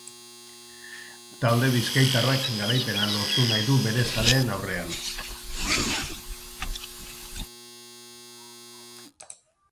Talde bizkaitarrak garaipena lortu nahi du bere zaleen aurrean.